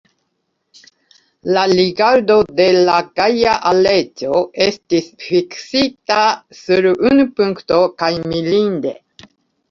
La rigardo de la gaja Aleĉjo estis fiksita sur unu punkto, kaj mirinde!